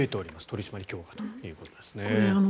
取り締まり強化ということですね。